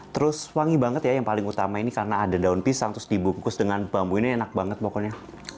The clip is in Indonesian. terus wangi banget ya yang paling utama ini karena ada daun pisang terus dibungkus dengan bambu ini enak banget pokoknya